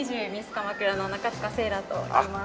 鎌倉の中塚星来といいます。